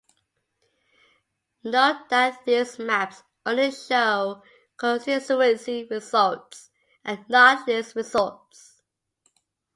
Note that these maps only show constituency results and not list results.